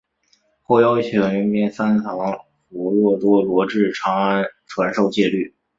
后邀请罽宾三藏弗若多罗至长安传授戒律。